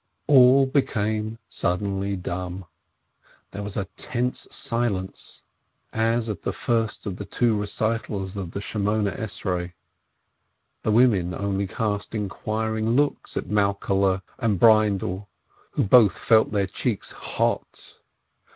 All became suddenly dumb ; there was a tense silence, as at the first of the two recitals of the Eighteen Bene dictions; the women only cast inquiring looks at Mal kehle and Breindel, who both felt their cheeks hot.